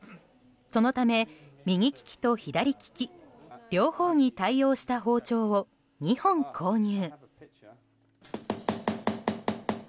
そのため、右利きと左利き両方に対応した包丁を２本購入。